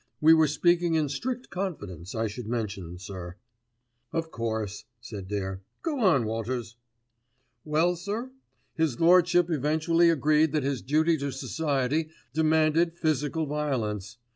We were speaking in strict confidence, I should mention, sir." "Of course," said Dare. "Go on, Walters." "Well, sir, his Lordship eventually agreed that his duty to Society demanded physical violence.